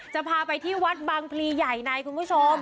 จะพาไปที่วัดบางพลีใหญ่ในคุณผู้ชม